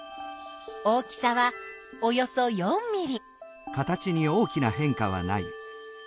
大きさはおよそ４ｍｍ。